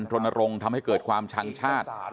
รณรงค์ทำให้เกิดความชังชาติ